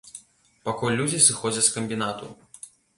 Пакуль людзі сыходзяць з камбінату.